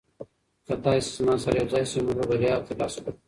که تاسي زما سره یوځای شئ موږ به بریا ترلاسه کړو.